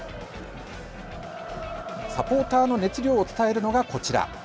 サポーターの熱量を伝えるのがこちら。